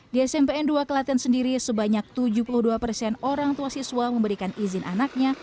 di smpn dua kelaten sendiri sebanyak tujuh puluh dua persen orang tua siswa memberikan izin anaknya